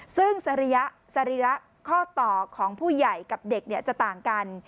ซึ่งสรีระข้อต่อของผู้ใหญ่กับเด็กจะต่างกัน